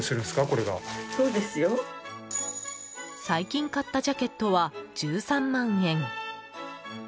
最近買ったジャケットは１３万円。